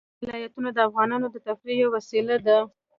ولایتونه د افغانانو د تفریح یوه وسیله ده.